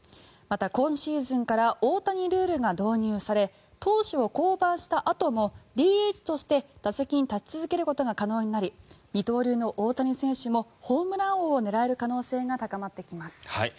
また、今シーズンから大谷ルールが導入され投手を降板したあともＤＨとして打席に立ち続けることが可能になり、二刀流の大谷選手もホームラン王を狙える可能性が高まってきます。